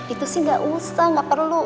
itu sih gak usah gak perlu